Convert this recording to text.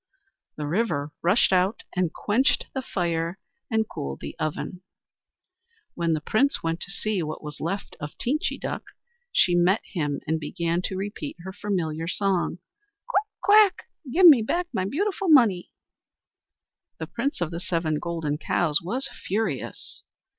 The River rushed out and quenched the fire and cooled the oven. When the Prince went to see what was left of Teenchy Duck, she met him and began to repeat her familiar song: "Quack! quack! Give me back my beautiful money!" The Prince of the Seven Golden Cows was furious.